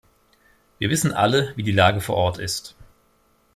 Wir wissen alle, wie die Lage vor Ort ist.